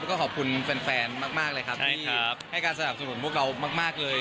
แล้วก็ขอบคุณแฟนมากเลยครับที่ให้การสนับสนุนพวกเรามากเลย